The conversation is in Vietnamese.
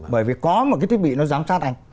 bởi vì có một cái thiết bị nó giám sát anh